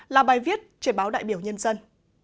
là bài viết trên báo đại biểu nhân dân